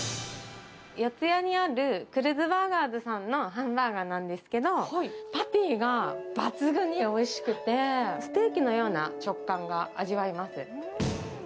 四谷にあるクルズバーガーズさんのハンバーガーなんですけど、パティが抜群においしくて、ステーキのような食感が味わえます。